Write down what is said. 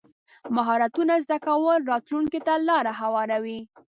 مهارتونه زده کول راتلونکي ته لار هواروي.